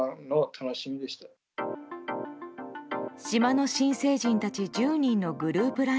島の新成人たち１０人のグループ